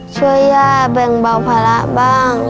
ช่วยย่าแบ่งเบาภาระบ้าง